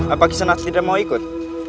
apa kisah anak tidak mau ikut